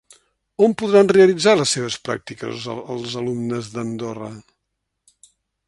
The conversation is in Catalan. On podran realitzar les seves pràctiques els alumnes d'Andorra?